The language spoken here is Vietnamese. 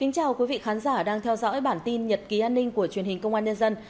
chào mừng quý vị đến với bản tin nhật ký an ninh của truyền hình công an nhân dân